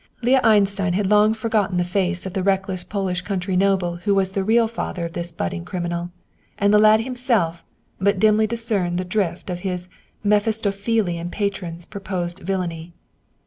Leah Einstein had long forgotten the face of the reckless Polish country noble who was the real father of this budding criminal, and the lad himself but dimly discerned the drift of his Mephistophelian patron's proposed villainy.